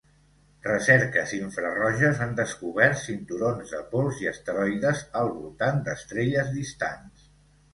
Recerques infraroges han descobert cinturons de pols i asteroides al voltant d'estrelles distants.